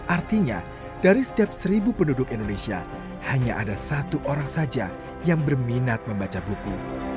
artinya dari setiap seribu penduduk indonesia hanya ada satu orang saja yang berminat membaca buku